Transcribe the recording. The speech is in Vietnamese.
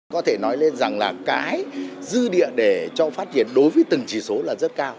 có thể nói lên rằng là cái dư địa để cho phát triển đối với từng chỉ số là rất cao